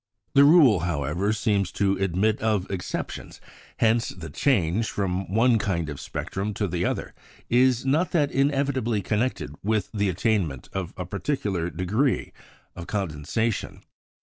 The rule, however, seems to admit of exceptions; hence the change from one kind of spectrum to the other is not inevitably connected with the attainment of a particular degree of condensation.